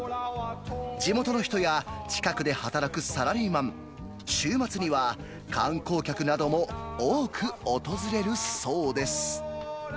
地元の人や近くで働くサラリーマン、週末には観光客なども多く訪れるそうです。